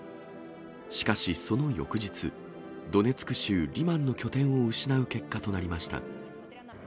しかしその翌日、ドネツク州リマンの拠点を失う結果となりました。